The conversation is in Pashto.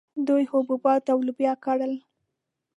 دوی حبوبات او لوبیا کرل